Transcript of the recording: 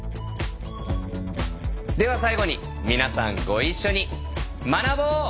では最後に皆さんご一緒に学ぼう！